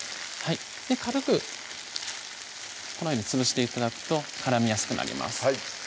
軽くこのように潰して頂くと絡みやすくなります